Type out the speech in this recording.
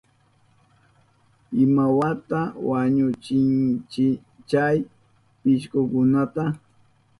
¿Imawata wañuchinkichi chay pishkukunata?